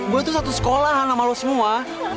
gue tuh satu sekolah sama lo semua